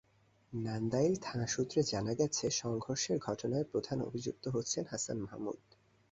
নান্দাইল থানা সূত্রে জানা গেছে, সংঘর্ষের ঘটনায় প্রধান অভিযুক্ত হচ্ছেন হাসান মাহমুদ।